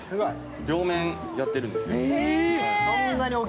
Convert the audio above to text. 両面やっているんですね。